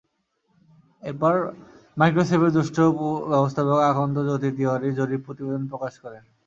এরপর মাইক্রোসেভের জ্যেষ্ঠ ব্যবস্থাপক আখন্দ জ্যোতি তিওয়ারী জরিপ প্রতিবেদন প্রকাশ করেন।